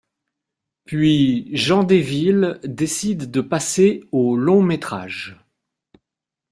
Puis Jean Desvilles décide de passer au long métrage.